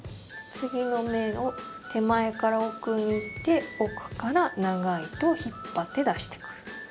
次の目の手前から奥に行って奥から長い糸を引っ張って出してくる。